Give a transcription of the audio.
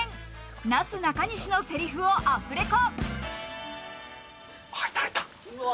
なすなかにしのセリフをアフレコ。